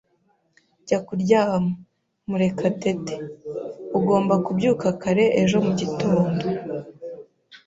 Jya kuryama, Murekatete. Ugomba kubyuka kare ejo mugitondo.